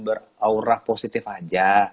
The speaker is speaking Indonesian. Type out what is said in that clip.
beraura positif aja